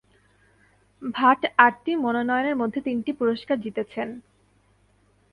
ভাট আটটি মনোনয়নের মধ্যে তিনটি পুরস্কার জিতেছেন।